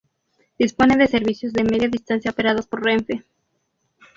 Dispone de servicios de media distancia operados por Renfe.